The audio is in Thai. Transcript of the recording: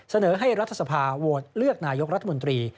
เสนอให้รัฐสภาโหวตเลือกนายกรัฐมนตรี